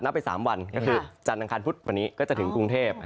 ไป๓วันก็คือจันทร์อังคารพุธวันนี้ก็จะถึงกรุงเทพ